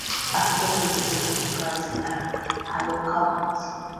A substantial percentage of drugs are halocarbons.